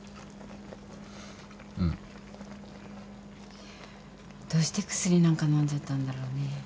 うん。どうして薬なんか飲んじゃったんだろうね。